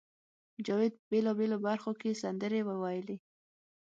جاوید په بېلابېلو برخو کې سندرې وویلې